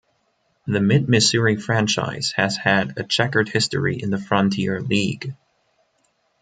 The Mid-Missouri franchise has had a checkered history in the Frontier League.